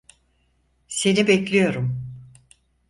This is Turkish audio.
Seni bekliyorum.